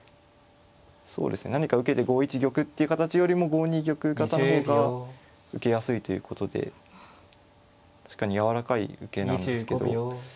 そうですね何か受けて５一玉っていう形よりも５二玉型の方が受けやすいということで確かにやわらかい受けなんですけど。